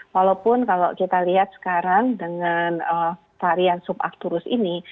walaupun kalau kita lihat sekarang dengan varian subakturus ini